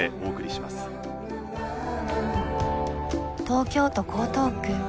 東京都江東区。